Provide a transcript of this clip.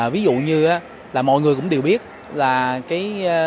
ví dụ như là mọi người cũng đều biết là cái